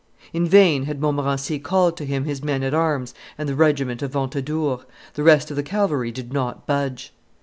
In vain had Montmorency called to him his men at arms and the regiment of Ventadour; the rest of the cavalry did not budge.